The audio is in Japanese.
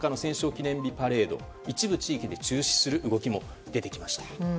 記念日パレードを一部地域で中止する動きも出てきました。